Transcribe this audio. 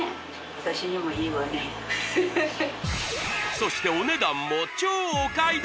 そしてお値段も超お買い得